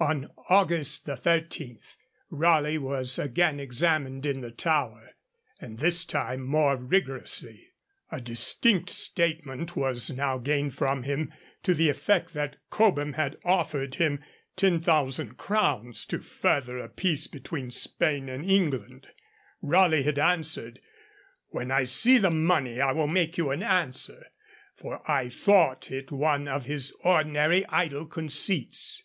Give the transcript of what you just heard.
On August 13, Raleigh was again examined in the Tower, and this time more rigorously. A distinct statement was now gained from him, to the effect that Cobham had offered him 10,000 crowns to further a peace between Spain and England; Raleigh had answered, '"When I see the money I will make you an answer," for I thought it one of his ordinary idle conceits.'